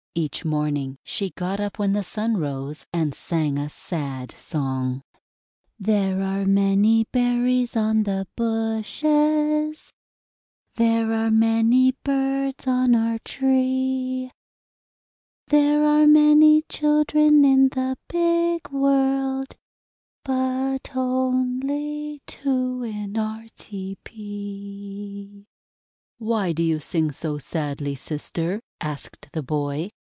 Each morning she got up when the Sun rose, and sang a sad song :—" There are many berries on the bushes, There are many birds on our tree, There are many children in the big World, But only two in our tepee!" "Why do you sing so sadly, sister?" asked the boy.